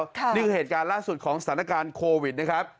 นี่คือเหตุการณ์ล่าสุดของสถานการณ์โควิดนะครับ